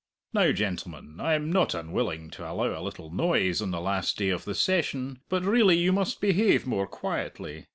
Now gentlemen, I'm not unwilling to allow a little noise on the last day of the session, but really you must behave more quietly.